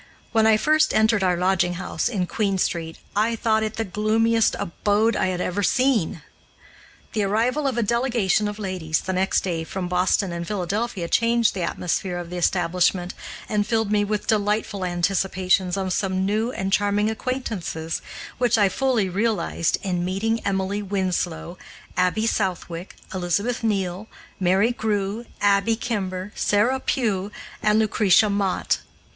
When I first entered our lodging house in Queen Street, I thought it the gloomiest abode I had ever seen. The arrival of a delegation of ladies, the next day, from Boston and Philadelphia, changed the atmosphere of the establishment, and filled me with delightful anticipations of some new and charming acquaintances, which I fully realized in meeting Emily Winslow, Abby Southwick, Elizabeth Neal, Mary Grew, Abby Kimber, Sarah Pugh, and Lucretia Mott.